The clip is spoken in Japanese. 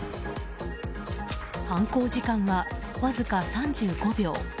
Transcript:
犯行時間はわずか３５秒。